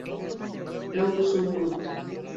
Look So Good.